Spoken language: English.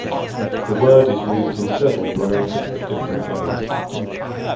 The word is used in several related but different ways.